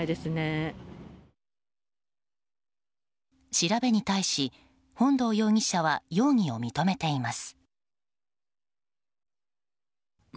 調べに対し、本堂容疑者は容疑を認めています。